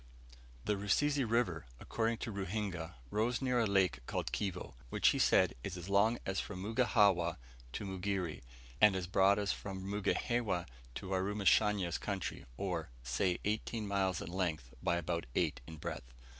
The Rusizi River according to Ruhinga rose near a lake called Kivo, which he said is as long as from Mugihawa to Mugere, and as broad as from Mugihewa to Warumashanya's country, or, say eighteen miles in length by about eight in breadth.